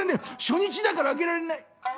初日だからあげらんない」。